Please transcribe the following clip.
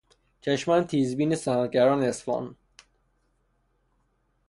چشمان تیزبین صنعتگران اصفهان